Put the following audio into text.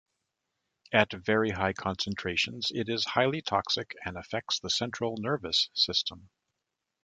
At very high concentrations it is highly toxic and affects the central nervous system.